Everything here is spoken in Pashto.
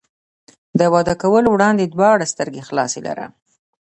له واده کولو وړاندې دواړه سترګې خلاصې لره.